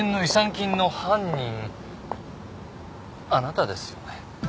金の犯人あなたですよね？